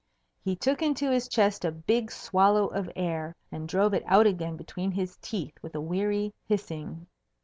He took into his chest a big swallow of air, and drove it out again between his teeth with a weary hissing.